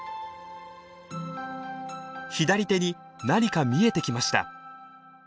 左手に何か見えてきました。